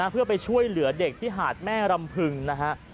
เพื่อไปช่วยเหลือเด็กที่หาดแม่รำพึงนะฮะ